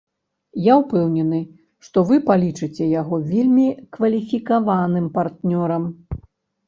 Я ўпэўнены, што вы палічыце яго вельмі кваліфікаваным партнёрам.